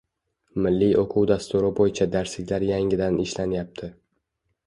Milliy o‘quv dasturi bo‘yicha darsliklar yangitdan ishlanyapti.